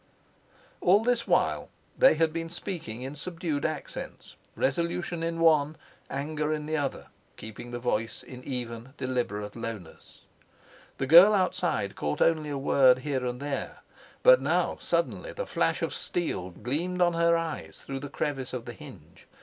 All this while they had been speaking in subdued accents, resolution in one, anger in the other, keeping the voice in an even, deliberate lowness. The girl outside caught only a word here and there; but now suddenly the flash of steel gleamed on her eyes through the crevice of the hinge.